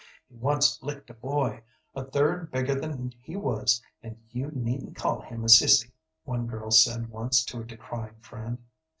"He once licked a boy a third bigger than he was, and you needn't call him sissy," one girl said once to a decrying friend.